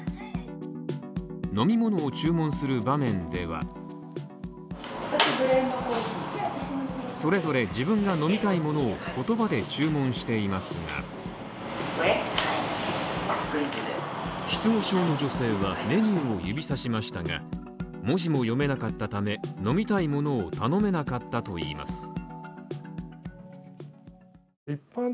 飲み物を注文する場面ではそれぞれ自分が飲みたいものを言葉で注文していますが失語症の女性はメニューを指さしましたが文字も読めなかったため飲みたいものを頼めなかったといいます。